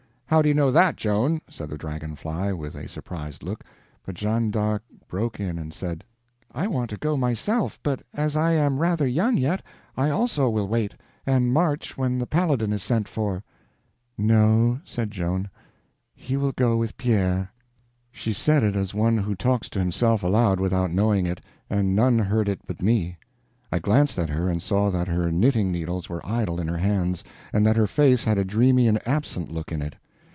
"How do you know that, Joan?" said the Dragon fly, with a surprised look. But Jean d'Arc broke in and said: "I want to go myself, but as I am rather young yet, I also will wait, and march when the Paladin is sent for." "No," said Joan, "he will go with Pierre." She said it as one who talks to himself aloud without knowing it, and none heard it but me. I glanced at her and saw that her knitting needles were idle in her hands, and that her face had a dreamy and absent look in it.